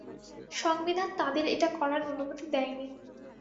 সংবিধান তাঁদের এটা করার অনুমতি দেয়নি।